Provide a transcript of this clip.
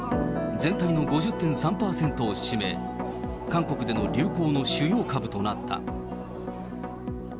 全体の５０．３％を占め、韓国での流行の主要株となった。